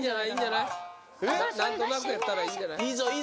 なんとなくやったらいいんじゃない？